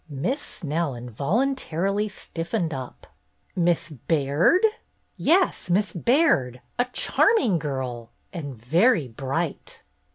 Miss Snell involuntarily stiffened up. "Miss Baird?" "Yes, Miss Baird. A charming girl !— and very bright."